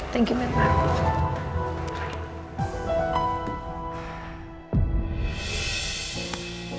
terima kasih mirna